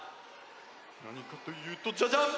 なにかというとジャジャン！